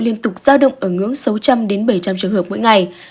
liên tục giao động ở ngưỡng sáu trăm linh bảy trăm linh trường hợp mỗi ngày